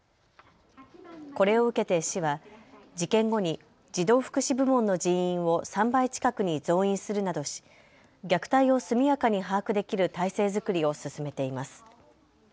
これを受けて市は事件後に児童福祉部門の人員を３倍近くに増員するなどし虐待を速やかに把握できる体制づくりを進めています。